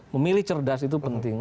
memilih cerdas itu penting